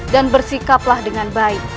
dan bersikaplah dengan baik